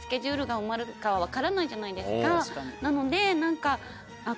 なので何か。